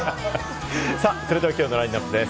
それでは、きょうのラインナップです。